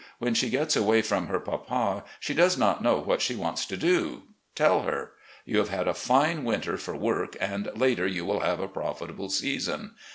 When she gets away from her papa, she does not know what she wants to do, tell her. You have had a fine winter for work, and later you will have a profitable season.